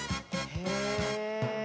へえ。